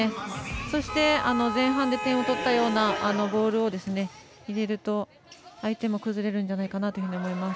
そして、前半で点を取ったようなボールを入れると相手も崩れるんじゃないかなと思います。